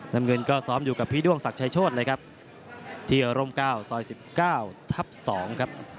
น้ำเงินก็ซ้อมอยู่กับพี่ด้วงศักดิ์ชายโชธเลยครับที่อารมณ์๙ซอย๑๙ทับ๒ครับ